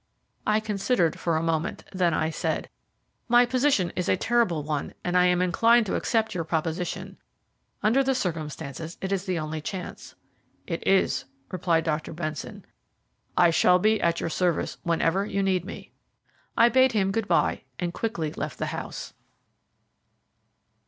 I considered for a moment, then I said: "My position is a terrible one, and I am inclined to accept your proposition. Under the circumstances it is the only chance." "It is," repeated Dr. Benson. "I shall be at your service whenever you need me." I bade him good bye and quickly left the house.